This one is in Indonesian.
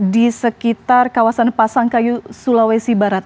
di sekitar kawasan pasangkayu sulawesi barat